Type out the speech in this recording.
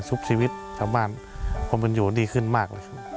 ชุดชีวิตชาวบ้านพอเป็นอยู่ดีขึ้นมาก